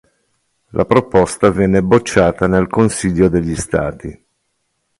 La proposta venne bocciata nel Consiglio degli stati.